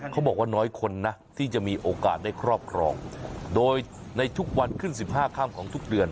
เขาบอกว่าน้อยคนนะที่จะมีโอกาสได้ครอบครองโดยในทุกวันขึ้น๑๕ค่ำของทุกเดือน